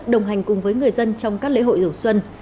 đồng hành cùng với người dân trong các lễ hội đầu xuân